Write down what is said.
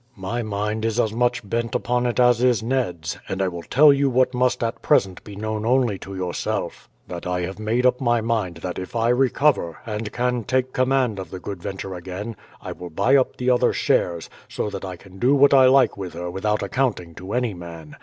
"My mind is as much bent upon it as is Ned's; and I will tell you what must at present be known only to yourself, that I have made up my mind that if I recover, and can take command of the Good Venture again, I will buy up the other shares, so that I can do what I like with her without accounting to any man.